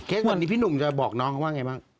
วันนี้พี่หนุ่มจะบอกน้องเขาว่าไงบ้าง